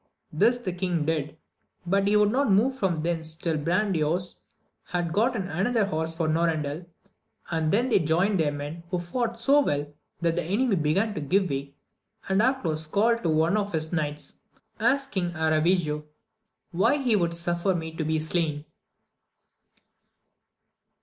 This the king did, but he would not move from thence till Brandoyuas had gotten another horse for Norandel, and then they joined their men, who fought so well, that the enemy began to give way, and Arcalaus called to one of his knights, Ask King Aravigo why he would suffer me to be slain